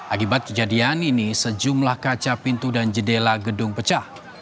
akibat kejadian ini sejumlah kaca pintu dan jendela gedung pecah